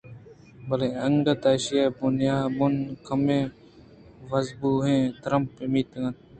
بلےانگت ءَ ایشی ءِ بُنءَکمّے وژبوئیں ترٛمپ منتگ اَت